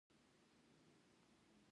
اقتصاد د تصمیم نیولو علم دی